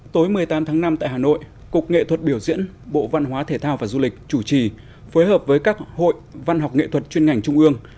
tối một mươi tám tháng năm tại hà nội cục nghệ thuật biểu diễn bộ văn hóa thể thao và du lịch chủ trì phối hợp với các hội văn học nghệ thuật chuyên ngành trung ương